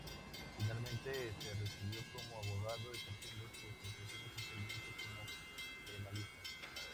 Finalmente se recibió como abogado, ejerciendo su profesión especialmente como penalista.